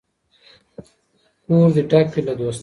کور دي ډک وي له دوستانو